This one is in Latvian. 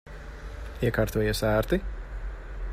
Iekārtojies ērti?